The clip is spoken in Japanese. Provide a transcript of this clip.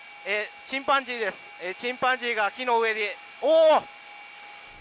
チンパンジーが木の上で。